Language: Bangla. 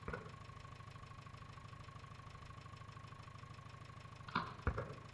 এ বিষয়ে তোমাদের যে প্রকার মত হয়, করিবে।